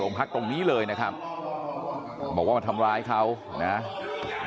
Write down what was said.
พักตรงนี้เลยนะครับบอกว่ามาทำร้ายเขานะครับ